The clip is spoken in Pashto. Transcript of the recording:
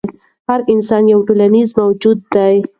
هر انسان یو ټولنیز موجود دی.